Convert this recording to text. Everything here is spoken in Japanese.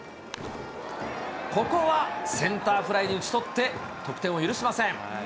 ここはセンターフライに打ち取って、得点を許しません。